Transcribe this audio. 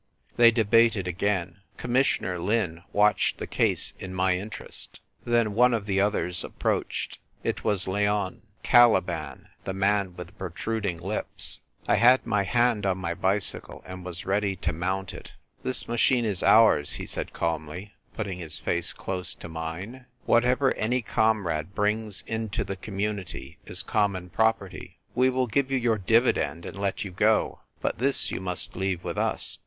They debated again. Commissioner Lin watched the case in my interest. Then one of the others approached. It was Leon — Caliban — the man with the protruding lips. I had my hand on my bicycle, and was ready to mount it. "This machine is ours," he said calmly, putting his face close to mine. " Whatever A MUTINOUS MUTINEER. 8 1 any comrade brings into the Community is common property. We will give you your dividend and let you go; but this you must leave with us."